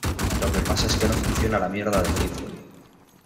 lo que pasa es que no funciona la mierda del grifo y...